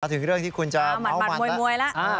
ถึงเรื่องที่คุณจะหั่นมวยแล้ว